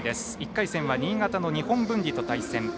１回戦は新潟の日本文理と対戦。